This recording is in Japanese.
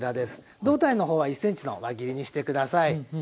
胴体の方は１ｃｍの輪切りにして下さい。